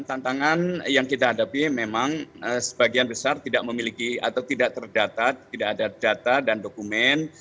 tantangan yang kita hadapi memang sebagian besar tidak memiliki atau tidak terdata tidak ada data dan dokumen